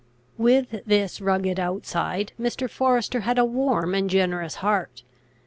With this rugged outside, Mr. Forester had a warm and generous heart.